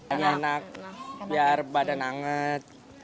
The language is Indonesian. enak biar badan anget